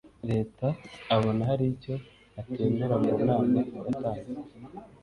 Leta abona hari icyo atemera mu nama yatanzwe